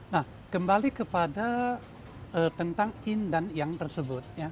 nah kembali kepada tentang yin dan yang tersebut ya